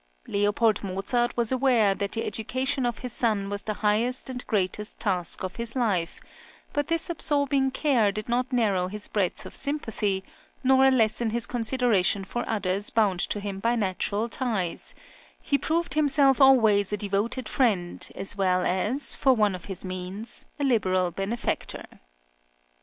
Leopold Mozart was aware that the education of his son was the highest and greatest task of his life; but this absorbing care did not narrow his breadth of sympathy, nor lessen his consideration for others bound to him by natural ties; he proved himself always a devoted friend as well as, for one of his means, a liberal benefactor.